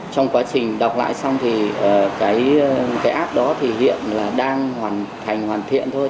trong quá trình đọc lại xong thì cái app đó thì hiện là đang hoàn thành hoàn thiện thôi